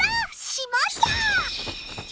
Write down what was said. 「しまった！」。